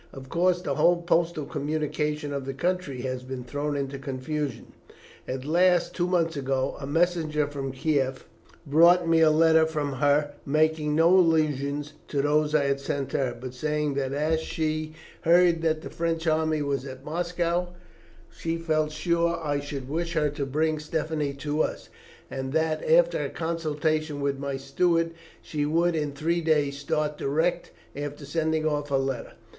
Of course, the whole postal communication of the country has been thrown into confusion. At last, two months ago, a messenger from Kieff brought me a letter from her making no allusion to those I had sent her, but saying that as she heard that the French army was at Moscow she felt sure I should wish her to bring Stephanie to us, and that, after a consultation with my steward, she would in three days start direct after sending off her letter.